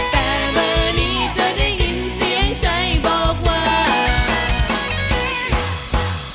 แต่เบอร์นี้จะได้ยินเสียงใจบอกว่า